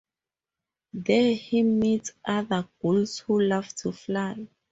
There he meets other gulls who love to fly.